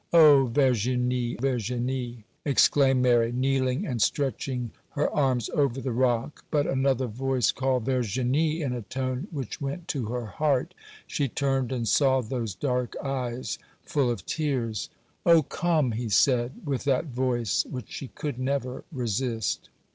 'Oh, Verginie! Verginie!' exclaimed Mary,—kneeling and stretching her arms over the rock; but another voice called Verginie, in a tone which went to her heart. She turned and saw those dark eyes full of tears. 'Oh, come,' he said, with that voice which she could never resist.